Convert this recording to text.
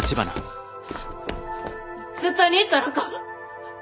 絶対に行ったらあかん！